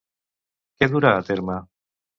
Què durà a terme?